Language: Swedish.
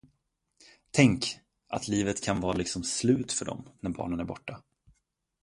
Tänk, att livet kan vara liksom slut för dem, när barnen är borta!